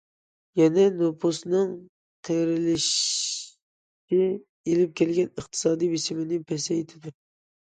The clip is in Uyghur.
يەنە نوپۇسنىڭ قېرىلىشىشى ئېلىپ كەلگەن ئىقتىسادى بېسىمنى پەسەيتىدۇ.